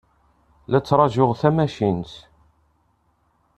La ttṛajuɣ tamacint.